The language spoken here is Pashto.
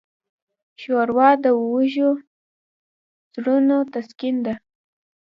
ښوروا د وږو زړونو تسکین ده.